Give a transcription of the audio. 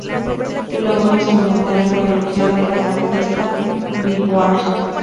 Su labor instrumental fue elogiada por la revista "Billboard".